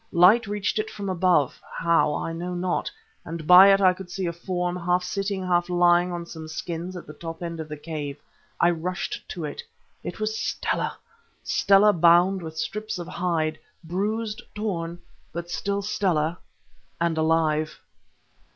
Light reached it from above—how I know not—and by it I could see a form half sitting, half lying on some skins at the top end of the cave. I rushed to it. It was Stella! Stella bound with strips of hide, bruised, torn, but still Stella, and alive.